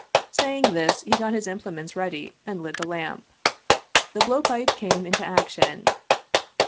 Saying this, he got his implements ready and lit the lamp. The blow pipe came into action.